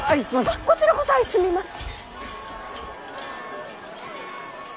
あっこちらこそ相すみませ。